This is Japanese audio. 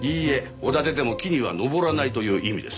おだてても木には登らないという意味です。